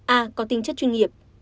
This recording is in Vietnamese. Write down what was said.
a có tinh chất chuyên nghiệp